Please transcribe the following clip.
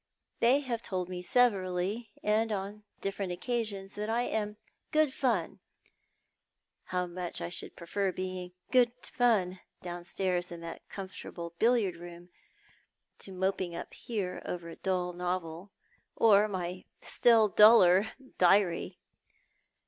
They have told me severally, and on different occasions, that I am good fun. How much I should i^refer being "good fun" down stairs in that comfortable billiard room, to moping up here over a dull novel, or my still duller diary